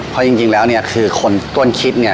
เพราะจริงแล้วเนี่ยคือคนต้นคิดเนี่ย